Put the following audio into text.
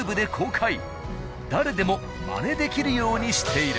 誰でもまねできるようにしている。